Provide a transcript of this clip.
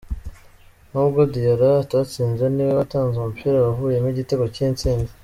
Nubwo Diarra atatsinze niwe watanze umupira wavuyemo igitego cy’intsinzi.